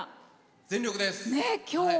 全力です。